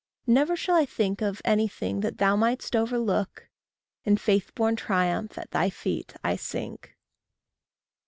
Never shall I think Of anything that thou mightst overlook: In faith born triumph at thy feet I sink.